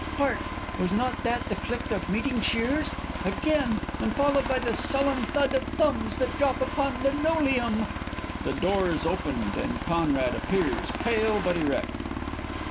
Hark! was not that the click of meeting shears?... Again! and followed by the sullen thud Of thumbs that drop upon linoleum!... [The door is opened and CONRAD _appears, pale but erect.